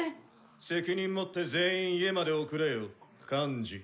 責任持って全員家まで送れよ幹事。